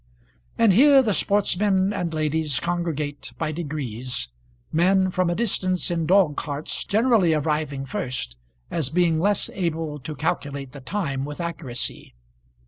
And here the sportsmen and ladies congregate by degrees, men from a distance in dog carts generally arriving first, as being less able to calculate the time with accuracy.